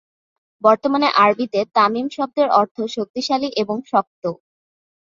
বর্তমানে আরবীতে "তামিম" শব্দের অর্থ শক্তিশালী এবং শক্ত।